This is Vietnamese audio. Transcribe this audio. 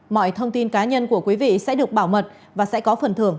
mọi thông tin cá nhân của quý vị sẽ được bảo mật và sẽ có phần thưởng